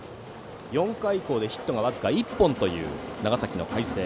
４回以降でヒットが僅か１本という長崎の海星。